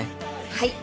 はい。